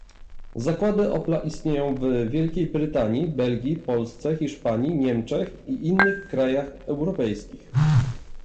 Zakłady Opla istnieją w Wielkiej Brytanii, Belgii, Polsce, Hiszpanii, Niemczech i innych krajach europejskich